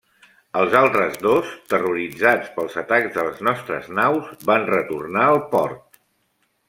Els altres dos, terroritzats pels atacs de les nostres naus, van retornar al port.